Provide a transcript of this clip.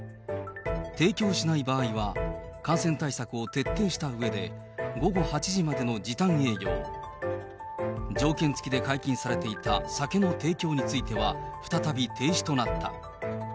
提供しない場合は、感染対策を徹底したうえで午後８時までの時短営業、条件付きで解禁されていた酒の提供については、再び停止となった。